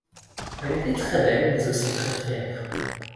Elle était très belle mais aussi très fière.